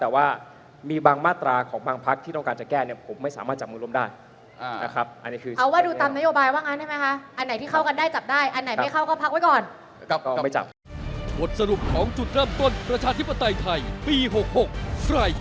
เอาว่าดูตามนโยบายว่างั้นใช่ไหมคะ